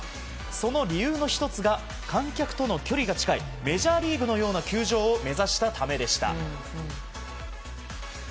その理由の１つが観客との距離が近いメジャーリーグのような球場を目指したためでした。